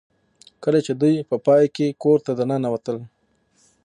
کله چې دوی په پای کې کور ته ننوتل